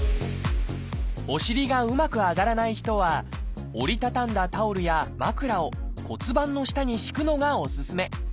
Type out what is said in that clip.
お尻がうまく上がらない人は折り畳んだタオルや枕を骨盤の下に敷くのがおすすめ。